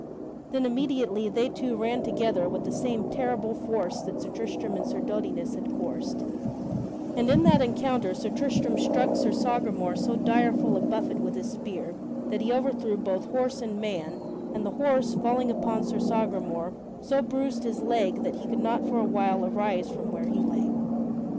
Then immediately they two ran together with the same terrible force that Sir Tristram and Sir Dodinas had coursed, and in that encounter Sir Tristram struck Sir Sagramore so direful a buffet with his spear that he overthrew both horse and man, and the horse, falling upon Sir Sagramore, so bruised his leg that he could not for a while arise from where he lay.